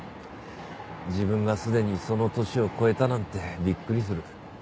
自分がすでにその年を超えたなんてびっくりする。